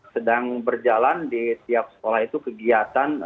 sedang berjalan di tiap sekolah itu kegiatan